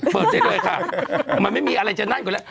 เสร็จเลยค่ะมันไม่มีอะไรจะแน่นกว่าแล้ว